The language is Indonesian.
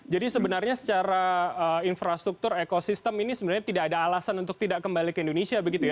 jadi sebenarnya secara infrastruktur ekosistem ini sebenarnya tidak ada alasan untuk tidak kembali ke indonesia begitu